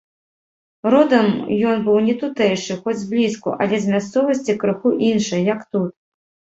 Родам ён быў не тутэйшы, хоць зблізку, але з мясцовасці крыху іншай, як тут.